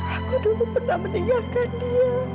aku dulu pernah meninggalkan dia